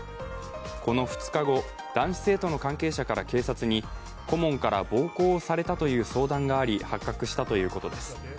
この２日後、男子生徒の関係者から警察に顧問から暴行されたという相談があり、発覚したということです。